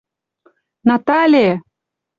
— Натале!..